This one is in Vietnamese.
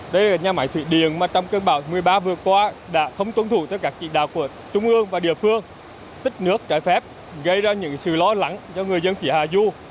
đây là nhà máy thủy điện mà trong cơn bão một mươi ba vừa qua đã không tuân thủ các trị đạo của trung ương và địa phương tích nước trải phép gây ra những sự lo lắng cho người dân phỉ hạ du